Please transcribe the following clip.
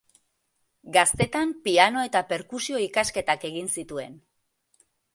Gaztetan piano- eta perkusio-ikasketak egin zituen.